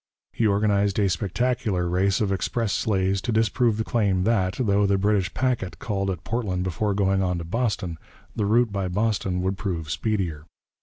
He organized a spectacular race of express sleighs to disprove the claim that, though the British packet called at Portland before going on to Boston, the route by Boston would prove speedier.